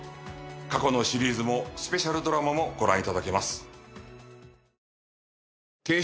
過去のシリーズもスペシャルドラマもご覧頂けます。